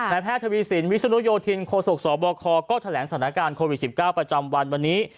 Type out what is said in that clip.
แพทย์ทวีสินวิศนุโยธินโคศกสบคก็แถลงสถานการณ์โควิด๑๙ประจำวันวันนี้